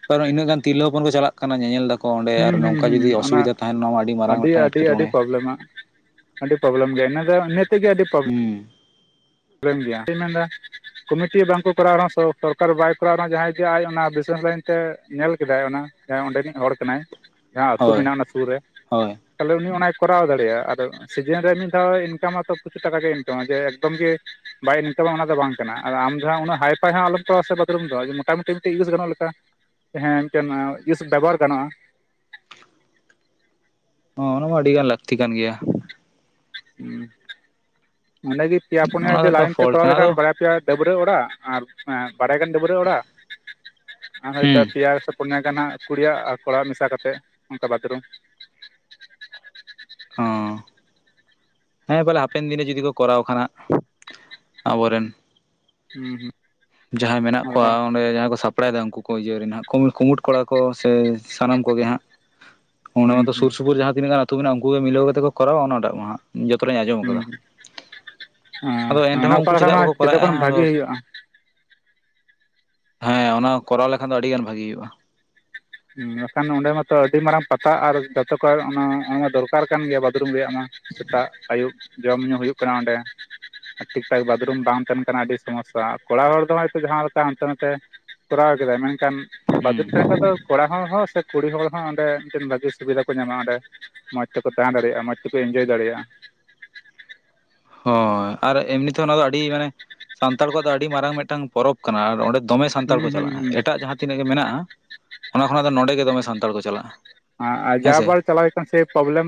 ᱠᱟᱨᱚᱱ ᱤᱱᱟᱹ ᱜᱟᱱ ᱛᱤᱨᱞᱟᱹ ᱦᱚᱯᱚᱱ ᱠᱚ ᱪᱟᱞᱟᱜ ᱠᱟᱱᱟ ᱧᱮᱞ ᱫᱟᱠᱚ ᱚᱸᱰᱮ ᱟᱨ ᱦᱩᱸ ᱱᱚᱝᱠᱟ ᱦᱩᱸ ᱡᱩᱫᱤ ᱦᱩᱸ ᱚᱱᱟ ᱚᱥᱩᱵᱤᱫᱟ ᱛᱟᱦᱮᱸᱱ ᱱᱚᱣᱟ ᱢᱟ ᱟᱹᱰᱤ ᱢᱟᱨᱟᱝ ᱢᱤᱫᱴᱟᱝ ᱮᱴᱠᱮᱴᱚᱬᱮ [unintelligible] ᱟᱹᱰᱤ ᱯᱨᱚᱵᱞᱮᱢ ᱜᱮ ᱤᱱᱟᱹ ᱫᱚ ᱤᱱᱟᱹ ᱛᱮᱫ ᱜᱮ ᱟᱹᱰᱤ ᱦᱩᱸ ᱨᱮᱱ ᱢᱮᱱ ᱮᱫᱟ ᱠᱚᱢᱤᱴᱤ ᱵᱟᱝᱠᱚ ᱠᱚᱨᱟᱣ ᱨᱮᱦᱚᱸ ᱥᱚᱨᱠᱟᱨ ᱵᱟᱭ ᱠᱚᱨᱟᱣ ᱨᱮᱦᱚᱸ ᱡᱟᱦᱟᱸᱭ ᱜᱮ ᱟᱡ ᱚᱱᱟ ᱵᱤᱥᱮᱥ ᱞᱟᱭᱤᱱ ᱛᱮ ᱧᱮᱞ ᱠᱮᱫᱟᱭ ᱚᱱᱟ ᱡᱟᱦᱟᱸᱭ ᱚᱸᱰᱮᱱᱤᱡ ᱦᱚᱲ ᱠᱟᱱᱟᱭ ᱡᱟᱦᱟᱸ ᱟᱹᱛᱩ ᱦᱳᱭ ᱢᱮᱱᱟᱜᱼᱟ ᱚᱱᱟ ᱥᱩᱨ ᱨᱮ ᱦᱳᱭ ᱛᱟᱦᱚᱞᱮ ᱩᱱᱤ ᱚᱱᱟᱭ ᱠᱚᱨᱟᱣ ᱫᱟᱲᱮᱭᱟᱜᱼᱟ ᱟᱫᱚ ᱥᱤᱡᱤᱱ ᱨᱮ ᱢᱤᱫ ᱫᱷᱟᱣ ᱤᱱᱠᱟᱢᱟᱛᱚ ᱯᱚᱪᱩᱨᱴᱟᱠᱟ ᱜᱮ ᱤᱱᱠᱟᱢᱟ ᱡᱮ ᱮᱠᱫᱚᱢ ᱜᱮ ᱵᱟᱭ ᱤᱱᱠᱟᱢᱟ ᱚᱱᱟ ᱫᱚ ᱵᱟᱝ ᱠᱟᱱᱟ ᱟ ᱟᱢ ᱡᱟᱦᱟᱸ ᱩᱱᱟᱹᱜ ᱦᱟᱭᱯᱷᱟᱭ ᱦᱚᱸ ᱟᱞᱚᱢ ᱠᱚᱨᱟᱣᱟ ᱥᱮ ᱵᱟᱛᱷᱨᱩᱢ ᱫᱚ ᱢᱚᱴᱟᱢᱩᱴᱤ ᱤᱭᱩᱡᱽ ᱜᱟᱱᱚᱜ ᱞᱮᱠᱟ ᱦᱮᱸ ᱤᱱᱠᱟᱹᱱ ᱤᱭᱩᱥ ᱵᱮᱵᱚᱦᱟᱨ ᱜᱟᱱᱚᱜᱼᱟ ᱦᱚᱸ ᱚᱱᱟ ᱢᱟ ᱟᱹᱰᱤ ᱜᱟᱱ ᱞᱟᱹᱠᱛᱤ ᱠᱟᱱ ᱜᱮᱭᱟ ᱦᱩᱸ ᱚᱸᱰᱮ ᱜᱮ ᱯᱮᱭᱟ ᱯᱩᱱᱭᱟ ᱚᱱᱟ ᱡᱩᱫᱤ ᱫᱚ ᱢᱤᱫᱴᱟᱝ ᱞᱟᱭᱤᱱ ᱛᱮ ᱯᱷᱚᱞᱴ ᱠᱚᱨᱟᱣ ᱠᱟᱱᱟ ᱟᱫᱚ ᱞᱮᱠᱷᱟᱱ ᱵᱟᱨᱭᱟ ᱯᱮᱭᱟ ᱰᱟᱹᱵᱨᱟᱹ ᱚᱲᱟᱜ ᱟᱨ ᱵᱟᱨᱟᱭᱟ ᱜᱟᱱ ᱰᱟᱹᱵᱨᱟᱹ ᱚᱲᱟᱜ ᱟᱨ ᱦᱚᱭᱛᱚ ᱦᱩᱸ ᱯᱮᱭᱟ ᱯᱚᱱᱭᱟ ᱜᱟᱱ ᱦᱟᱸᱜ ᱠᱩᱲᱤᱭᱟᱜ ᱟᱨ ᱠᱚᱲᱟᱜ ᱢᱮᱥᱟ ᱠᱟᱛᱮ ᱚᱝᱠᱟ ᱵᱟᱛᱽᱨᱩᱢ ᱚ [unintelligible] ᱦᱮᱸ ᱵᱚᱞᱮ ᱦᱟᱯᱮᱱ ᱫᱤᱱ ᱨᱮ ᱡᱩᱫᱤ ᱠᱚ ᱠᱚᱨᱟᱣ ᱠᱷᱟᱱ ᱦᱟᱜ ᱟᱵᱚᱨᱮᱱ ᱦᱩᱸ ᱦᱩᱸ ᱡᱟᱦᱟᱸᱭ ᱢᱮᱱᱟᱜ ᱟᱫᱚ ᱠᱚᱣᱟ ᱚᱸᱰᱮ ᱡᱟᱦᱟᱸᱭ ᱠᱚ ᱥᱟᱯ ᱲᱟᱭᱫᱟ ᱩᱝᱠᱩ ᱠᱚ ᱤᱭᱟᱹ ᱨᱮ ᱱᱟᱜ ᱠᱩᱼᱠᱩᱢᱩᱴ ᱠᱚᱲᱟ ᱠᱚ ᱥᱮ ᱥᱟᱱᱟᱢ ᱠᱚᱜᱮ ᱦᱟᱸᱜ ᱚᱱᱟ ᱦᱩᱸ ᱢᱟᱛᱚ ᱦᱩᱸ ᱥᱩᱨ ᱥᱩᱯᱩᱨ ᱡᱟᱦᱟᱸ ᱛᱤᱱᱟᱹ ᱜᱟᱱ ᱟᱹᱛᱩ ᱢᱮᱱᱟᱜᱼᱟ ᱩᱝᱠᱩ ᱜᱮ ᱢᱤᱞᱟᱹᱣ ᱠᱟᱛᱮ ᱠᱚᱨᱟᱣᱟ ᱚᱱᱟᱴᱟᱜ ᱢᱟ ᱦᱟᱸᱜ ᱡᱚᱛᱚ ᱴᱟᱜ ᱤᱧ ᱟᱸᱡᱚᱢ ᱦᱩᱸ ᱠᱟᱫᱟ ᱟᱫᱚ ᱦᱩᱸ ᱚᱱᱟ ᱮᱱᱨᱮᱦᱚᱸ ᱚᱠᱟ ᱩᱱᱠᱩ ᱞᱮᱠᱟ ᱪᱮᱫᱟᱜ ᱢᱟ ᱵᱟᱠᱚ ᱡᱚᱛᱚ ᱠᱚᱨᱟᱣᱮᱜᱼᱟ ᱠᱷᱚᱱ ᱟᱫᱚ [unintelligible] ᱦᱮᱸ ᱚᱱᱟ ᱠᱚᱨᱟᱣ ᱞᱮᱠᱷᱟᱱ ᱫᱚ ᱟᱹᱰᱤ ᱜᱟᱱ ᱵᱷᱟᱜᱤ ᱦᱩᱭᱩᱜᱼᱟ ᱦᱩᱸ ᱵᱟᱠᱷᱟᱱ ᱚᱸᱰᱮ ᱢᱟᱛᱚ ᱟᱹᱰᱤ ᱢᱟᱨᱟᱝ ᱯᱟᱛᱟ ᱟᱨ ᱡᱟᱛᱚ ᱠᱚᱭᱟᱜ ᱚᱱᱟ ᱟᱭᱢᱟ ᱫᱚᱨᱠᱟᱨ ᱠᱟᱱ ᱜᱮᱭᱟ ᱵᱟᱛᱽᱨᱩᱢ ᱨᱮᱭᱟᱜ ᱢᱟ ᱥᱮᱛᱟᱜ ᱟᱹᱭᱩᱵ ᱡᱚᱢ ᱧᱩ ᱦᱩᱭᱩᱜ ᱠᱟᱱᱟ ᱚᱸᱰᱮ ᱴᱷᱤᱠᱼᱴᱷᱟᱠ ᱵᱟᱛᱽᱨᱩᱢ ᱵᱟᱝ ᱛᱟᱦᱮᱸᱱ ᱠᱟᱱᱟ ᱟᱹᱰᱤ ᱥᱚᱢᱚᱥᱥᱟ ᱠᱚᱲᱟ ᱦᱚᱲ ᱫᱚ ᱦᱚᱭᱛᱚ ᱡᱟᱦᱟᱸ ᱞᱮᱠᱟ ᱦᱟᱱᱛᱮ ᱱᱟᱛᱮ ᱠᱚᱨᱟᱣ ᱠᱮᱫᱟᱭ ᱢᱮᱱᱠᱷᱟᱱ ᱦᱩᱸ ᱵᱟᱛᱽᱨᱩᱢ ᱛᱟᱦᱮᱸᱱ ᱠᱟᱱ ᱫᱚ ᱠᱚᱲᱟ ᱦᱚᱲ ᱦᱚᱸ ᱥᱮ ᱠᱩᱲᱤ ᱦᱚᱲ ᱦᱚᱸ ᱚᱸᱰᱮ ᱢᱤᱫᱴᱮᱱ ᱵᱷᱟᱜᱤ ᱥᱩᱵᱤᱫᱷᱟ ᱠᱚ ᱧᱟᱢᱟ ᱚᱸᱰᱮ ᱢᱚᱡᱽ ᱛᱮᱠᱚ ᱛᱟᱦᱮᱸ ᱫᱟᱲᱮᱭᱟᱜᱼᱟ ᱢᱚᱡᱽ ᱛᱮᱠᱚ ᱮᱱᱡᱳᱭ ᱫᱟᱲᱮᱭᱟᱜᱼᱟ ᱦᱳᱭ ᱟᱨ ᱮᱢᱱᱤ ᱛᱮᱦᱚᱸ ᱚᱱᱟ ᱫᱚ ᱟᱹᱰᱤ ᱢᱟᱱᱮ ᱥᱟᱱᱛᱟᱲ ᱠᱚᱣᱟᱜ ᱫᱚ ᱟᱹᱰᱤ ᱢᱟᱨᱟᱝ ᱢᱤᱫᱴᱟᱝ ᱯᱚᱨᱚᱵᱽ ᱠᱟᱱᱟ ᱟᱨ ᱚᱸᱰᱮ ᱫᱚᱢᱮ ᱥᱟᱱᱛᱟᱲ ᱦᱩᱸ ᱠᱚ ᱦᱩᱸ ᱪᱟᱞᱟᱜᱼᱟ ᱦᱩᱸ ᱮᱴᱟᱜ ᱡᱟᱦᱟᱸ ᱛᱤᱱᱟᱹᱜ ᱜᱮ ᱢᱮᱱᱟᱜᱼᱟ ᱚᱱᱟ ᱠᱷᱚᱱᱟᱜ ᱫᱚ ᱱᱚᱰᱮ ᱜᱮ ᱫᱚᱢᱮ ᱥᱟᱱᱛᱟᱲ ᱠᱚ ᱪᱟᱞᱟᱜᱼᱟ ᱟᱸ ᱟ ᱡᱟ ᱦᱮᱸᱥᱮ ᱵᱚᱴ ᱥᱮ ᱯᱚᱵᱽᱞᱮᱢ